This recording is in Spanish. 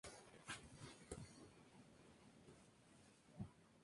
Señora Saigō murió a una edad relativamente joven, en circunstancias algo misteriosas.